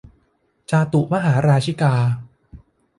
จาตุมหาราชิกา